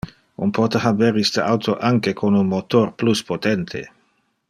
On pote haber iste auto anque con un motor plus potente.